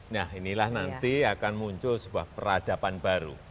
nah inilah nanti akan muncul sebuah peradaban baru